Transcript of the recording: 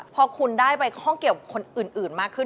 พอคุณได้ไปข้องเกี่ยวกับคนอื่นมากขึ้น